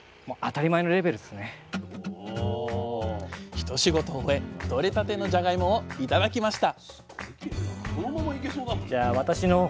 一仕事終え取れたてのじゃがいもを頂きました！